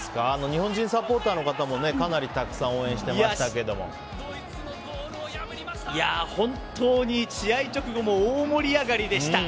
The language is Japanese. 日本人サポーターの方もかなりたくさん本当に試合直後も大盛り上がりでした。